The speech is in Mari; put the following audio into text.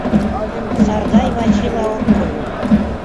Сардай Вачила от кой.